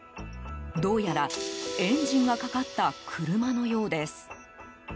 どうやら、エンジンがかかった車のようです。